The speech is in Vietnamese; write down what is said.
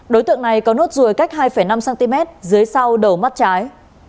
đối tượng này có nốt ruồi cách hai năm cm dưới sau đầu mắt trái